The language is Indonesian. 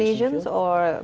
pemilik indonesia atau